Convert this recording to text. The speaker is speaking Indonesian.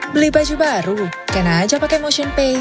beli baju baru kena aja pake motionpay